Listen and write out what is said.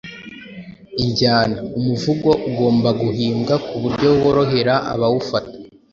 Injyana: Umuvugo ugomba guhimbwa ku buryo worohera abawufata